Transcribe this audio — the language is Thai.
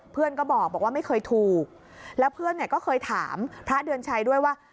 เพื่อนก็บอกว่าไม่เคยถูกแล้วเพื่อนเนี่ยก็เคยถามพระเดือนชัยด้วยว่า